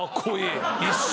一瞬。